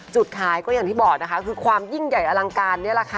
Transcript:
จุดขายก็อย่างที่บอกนะคะคือความยิ่งใหญ่อลังการนี่แหละค่ะ